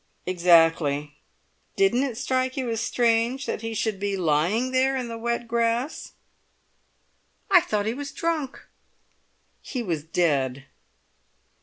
"Exactly. Didn't it strike you as strange that he should be lying there in the wet grass?" "I thought he was drunk." "He was dead!"